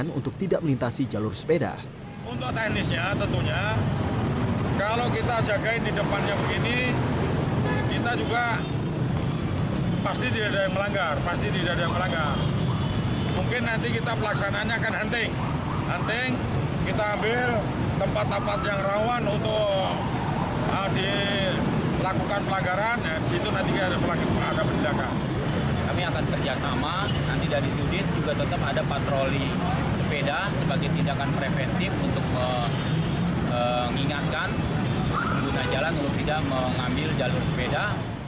nanti dari sudin juga tetap ada patroli sepeda sebagai tindakan preventif untuk mengingatkan guna jalan untuk tidak mengambil jalur sepeda